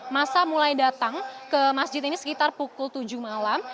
masa mulai datang ke masjid ini sekitar pukul tujuh malam